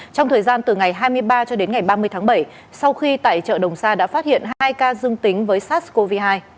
trong thời gian từ ngày hai mươi ba cho đến ngày ba mươi tháng bảy sau khi tại chợ đồng sa đã phát hiện hai ca dương tính với sars cov hai